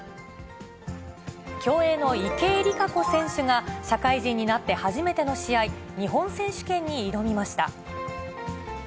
競泳の池江璃花子選手が、社会人になって初めての試合、日本選手権に挑みました。